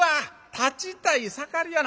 立ちたい盛りやな。